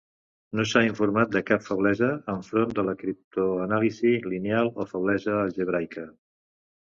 No s'ha informat de cap feblesa enfront de la criptoanàlisi lineal o feblesa algebraica.